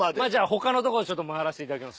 他の所回らせていただきます。